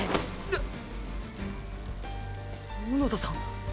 っ⁉小野田さん？